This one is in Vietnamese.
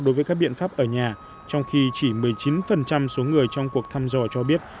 đối với các biện pháp ở nhà trong khi chỉ một mươi chín số người trong cuộc thăm dò cho biết